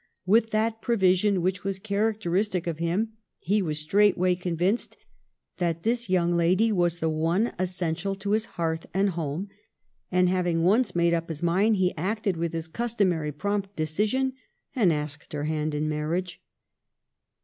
With that prevision which was characteristic of him, he was straightway convinced that this young lady was the one essential to his hearth and home, and, having once made up his mind, he acted with his customary prompt decision and asked her hand in marriage.